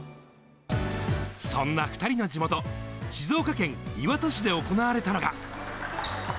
そんな２人の地元、静岡県磐田市で行われたのが。